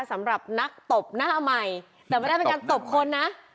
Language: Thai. สำหรับนักตบหน้าใหม่แต่ไม่ได้เป็นการตบคนนะ